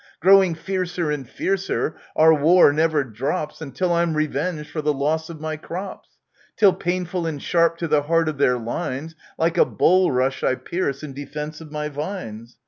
Growing fiercer and fiercer, our war never drops Until I'm revenged for the loss of my crops ; Till painful and sharp to the heart of their lines Like a bulrush I pierce in defence of my vines